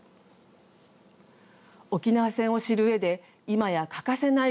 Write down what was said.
沖縄戦を知るうえで今や欠かせない